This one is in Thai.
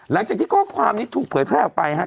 หลังจากที่ข้อความนี้ถูกเผยแพร่ออกไปฮะ